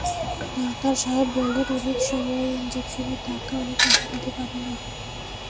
Doctor সাহেব বললেন, অনেক সময় ইনজেকশনের ধাক্কা অনেক পাখি নিতে পারে না।